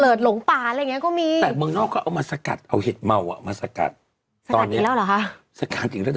อ๋อเออใช่มันเด้งมาเยอะมากเลย